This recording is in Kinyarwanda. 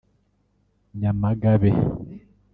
Nyamagabe